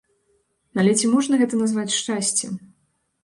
Але ці можна гэта назваць шчасцем?